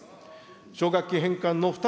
奨学金返還の負担